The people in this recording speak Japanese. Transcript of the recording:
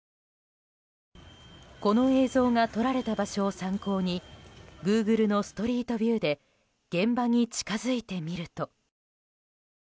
この映像が撮られた場所を参考にグーグルのストリートビューで現場に近づいてみると。